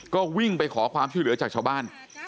ก็วิ่งไปขอความช่วยเหลือจากชาวบ้าน